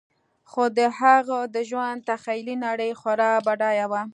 خو د هغه د ژوند تخیلي نړۍ خورا بډایه وه